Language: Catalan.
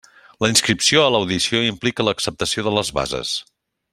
La inscripció a l'audició implica l'acceptació de les bases.